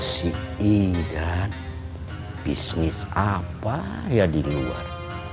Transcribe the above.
si idan bisnis apa ya di luar